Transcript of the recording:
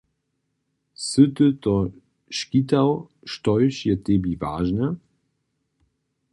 Sy ty to škitał, štož je tebi wažne?